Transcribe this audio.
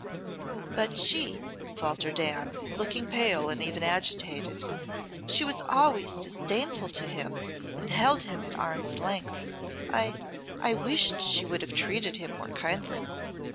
"But she," faltered Anne, looking pale and even agitated "she was always disdainful to him and held him at arm's length. I I wished she would have treated him more kindly."